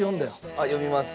あっ読みます。